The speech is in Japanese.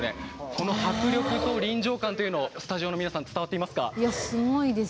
この迫力と臨場感をスタジオの皆さん伝わってますか？